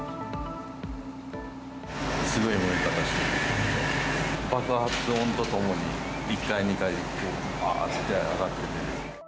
すごい燃え方していて、爆発音とともに、１階、２階、ばーっと火が上がってて。